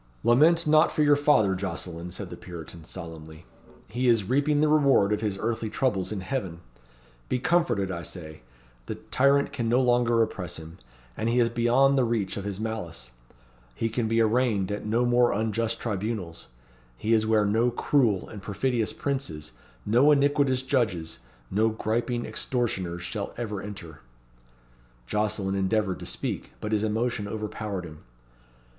"Lament not for your father, Jocelyn," said the Puritan, solemnly; "he is reaping the reward of his earthly troubles in heaven! Be comforted, I say. The tyrant can no longer oppress him. He is beyond the reach of his malice. He can be arraigned at no more unjust tribunals. He is where no cruel and perfidious princes, no iniquitous judges, no griping extortioners shall ever enter." Jocelyn endeavoured to speak, but his emotion overpowered him.